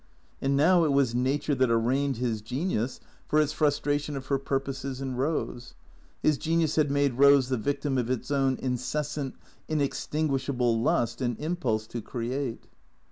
And now it was Nature that arraigned his genius for its frustration of her pur poses in Eose. His genius had made Eose the victim of its own incessant, inextinguishable lust and impulse to create.